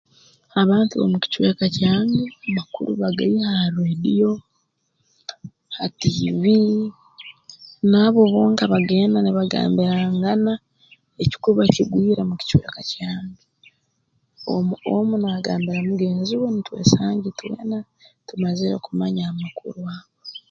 Abantu ab'omu kicweka kyange amakuru bagaiha ha rreediyo ha tiivi nabo bonka bagenda nibagambirangana ekikuba kigwire mu kicweka kyange omu omu naagambira mugenzi we ntwesanga itwena tumazire kumanya amakuru ago